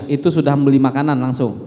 itu sudah membeli makanan langsung